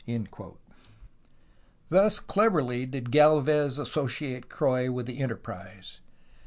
Thus cleverly did Gd^lvez associate Croix with the enter prise.